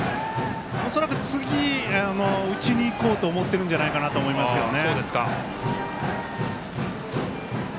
恐らく次、打ちにいこうと思ってるんじゃないかと思いますけどね。